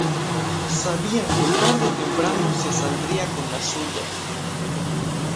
Sabía que tarde o temprano se saldría con la suya.